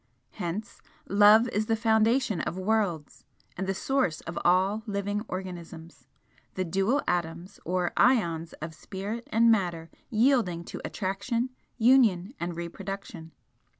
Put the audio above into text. Hence Love is the foundation of worlds, and the source of all living organisms, the dual atoms, or ions of spirit and matter yielding to Attraction, Union and Reproduction.